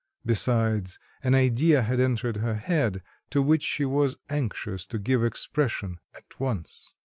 Besides, an idea had entered her head, to which she was anxious to give expression at once.